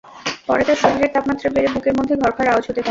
পরে তাঁর শরীরের তাপমাত্রা বেড়ে বুকের মধ্যে ঘড়ঘড় আওয়াজ হতে থাকে।